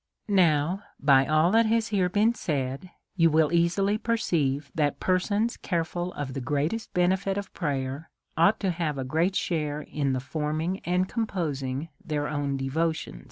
Now, by all that has here been said, you will easi ly perceive, that persons careful of the greatest bene fit of prayer ought to have a great share in the form ing and composing their own devotion.